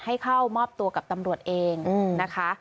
ให้เข้ามอบตัวกับตำรวจเองนะคะ